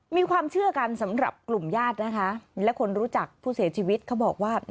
มีความเชื่อกันสำหรับกลุ่มญาตินะคะและคนรู้จักผู้เสียชีวิตเขาบอกว่า